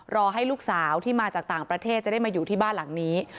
รอให้ลูกสาวที่มาจากต่างประเทศจะได้มาอยู่ที่บ้านหลังนี้